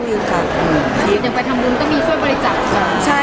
พี่เอ๊ยฮะพี่เอ๊ยฮะ